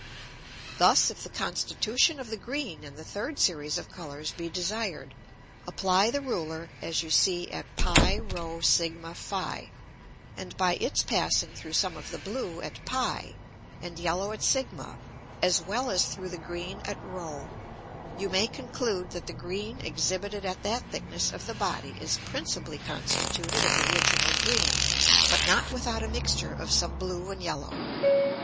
Thus if the constitution of the green in the third Series of Colours be desired, apply the Ruler as you see at [Greek: prsph], and by its passing through some of the blue at [Greek: p] and yellow at [Greek: s], as well as through the green at [Greek: r], you may conclude that the green exhibited at that thickness of the Body is principally constituted of original green, but not without a mixture of some blue and yellow.